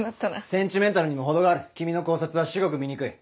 センチメンタルにも程がある君の考察は至極醜い。